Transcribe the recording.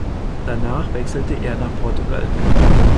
Danach wechselte er nach Portugal.